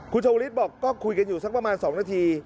คุณชวลิศบอกก็คุยกันอยู่สักประมาณ๒นาที